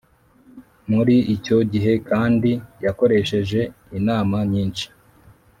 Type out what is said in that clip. Muri icyo gihe kandi yakoresheje inama nyinshi